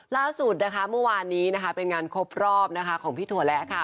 ล่าสุดนะคะเมื่อวานนี้นะคะเป็นงานครบรอบนะคะของพี่ถั่วแระค่ะ